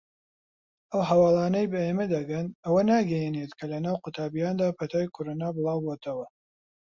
ئەو هەواڵانەی بە ئێمە دەگەن ئەوە ناگەیەنێت کە لەناو قوتابییاندا پەتای کۆرۆنا بڵاوبۆتەوە.